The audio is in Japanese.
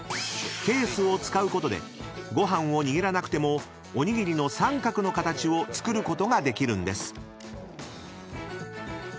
［ケースを使うことでご飯を握らなくてもおにぎりの三角の形を作ることができるんです］